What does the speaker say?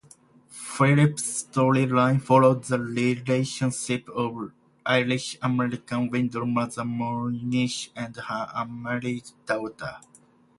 Phillips' storyline followed the relationship of Irish-American widow Mother Moynihan and her unmarried daughter.